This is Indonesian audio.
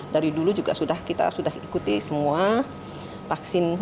dari dulu juga kita sudah ikuti semua vaksin